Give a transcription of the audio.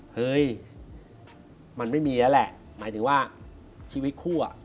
เฮ้ยมันไม่มีแล้วแหละหมายถึงว่าชีวิตคู่อ่ะ